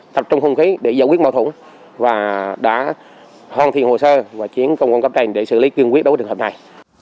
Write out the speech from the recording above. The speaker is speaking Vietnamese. tập trung không khí để giải quyết mạo thủng và đã hoàn thiện hồ sơ và chuyển công an cấp trành để xử lý cương quyết đối với trường hợp này